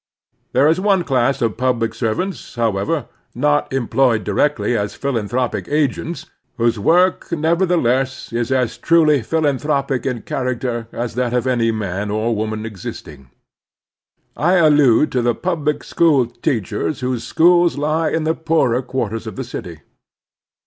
There is one class of public servants, however, not employed directly as philanthropic agents, whose work, nevertheless, is as truly philanthropic in character as that of any man or woman existing. I allude to the public school teachers whose schools lie in the poorer quarters of the city.